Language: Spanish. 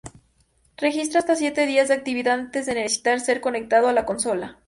Registra hasta siete días de actividad antes de necesitar ser conectado a la consola.